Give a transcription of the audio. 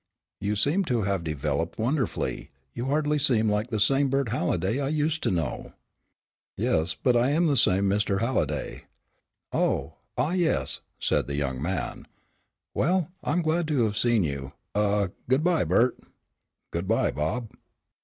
"You seem to have developed wonderfully, you hardly seem like the same Bert Halliday I used to know." "Yes, but I'm the same Mr. Halliday." "Oh ah yes," said the young man, "well, I'm glad to have seen you. Ah good bye, Bert." "Good bye, Bob."